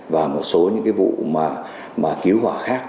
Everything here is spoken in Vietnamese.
và một số những cái vụ mà cứu hỏa khác